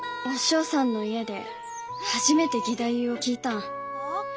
お師匠さんの家で初めて義太夫を聞いたん。